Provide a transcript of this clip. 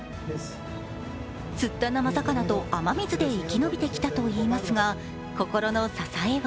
釣った生魚と雨水で生き延びてきたといいますが、心の支えは